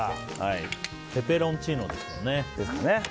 ペペロンチーノですもんね。